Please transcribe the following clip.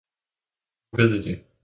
Nu ved I det!